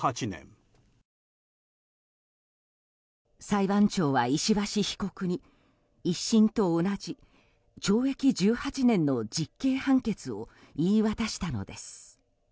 裁判長は石橋被告に１審と同じ懲役１８年の実刑判決を言い渡したのです。